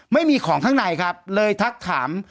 ไม่มีของข้างในครับเลยทักถาม